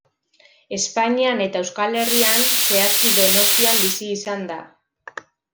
Espainian eta Euskal Herrian, zehazki Donostian bizi izan da.